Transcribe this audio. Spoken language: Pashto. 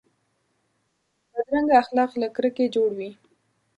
بدرنګه اخلاق له کرکې جوړ وي